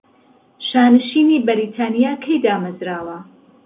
شانشینی بەریتانیا کەی دامەرزاوە؟